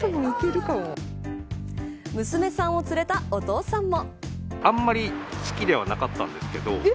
娘さんを連れたお父さんも。